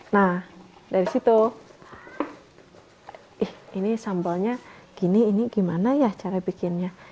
nah dari situ ih ini sambalnya gini ini gimana ya cara bikinnya